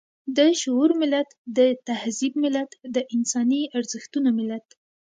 د شعور ملت، د تهذيب ملت، د انساني ارزښتونو ملت.